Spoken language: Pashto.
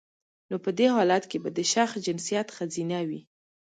نو په دی حالت کې به د شخص جنسیت خځینه وي